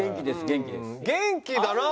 元気だな。